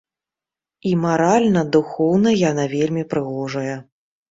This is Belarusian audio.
І маральна, духоўна яна вельмі прыгожая.